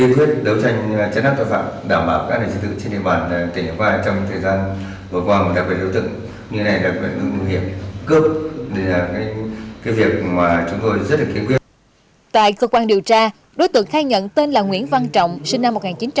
tại cơ quan điều tra đối tượng khai nhận tên là nguyễn văn trọng sinh năm một nghìn chín trăm tám mươi